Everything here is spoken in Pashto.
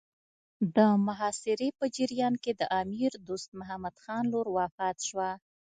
د محاصرې په جریان کې د امیر دوست محمد خان لور وفات شوه.